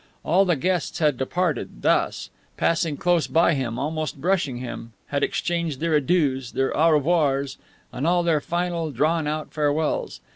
All the guests had departed thus, passing close by him, almost brushing him, had exchanged their "Adieus," their "Au revoirs," and all their final, drawn out farewells.